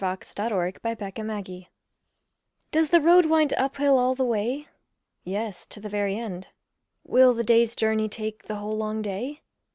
Christina Rossetti Up Hill DOES the road wind up hill all the way? Yes, to the very end. Will the day's journey take the whole long day?